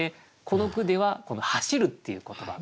この句ではこの「走る」っていう言葉。